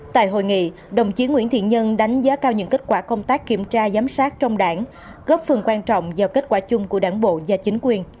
tại hội nghị đồng chí nguyễn thiện nhân đánh giá cao những kết quả công tác kiểm tra giám sát trong đảng góp phần quan trọng vào kết quả chung của đảng bộ và chính quyền